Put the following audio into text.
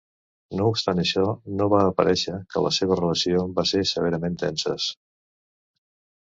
No obstant això, no va aparèixer que la seva relació va ser severament tenses.